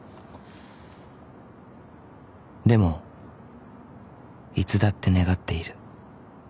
［でもいつだって願っている］